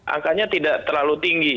angkanya tidak terlalu tinggi